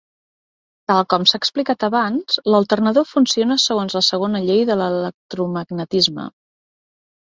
Tal com s'ha explicat abans, l'alternador funciona segons la segona llei de l'electromagnetisme.